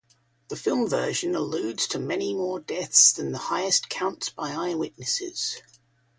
The film version alludes to many more deaths than the highest counts by eyewitnesses.